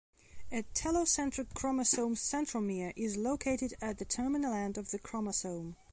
A telocentric chromosome's centromere is located at the terminal end of the chromosome.